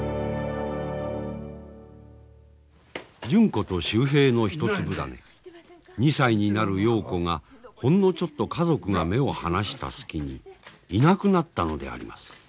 純子と秀平の一粒種２歳になる陽子がほんのちょっと家族が目を離した隙にいなくなったのであります。